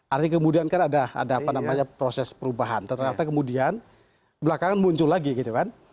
artinya kemudian kan ada apa namanya proses perubahan ternyata kemudian belakangan muncul lagi gitu kan